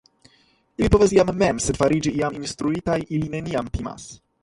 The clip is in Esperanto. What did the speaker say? ili povas iam mem, sed fariĝi iam instruitaj ili neniam timas!